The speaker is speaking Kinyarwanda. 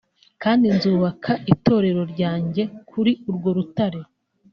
kandi nzubaka Itorero ryanjye kuri urwo rutare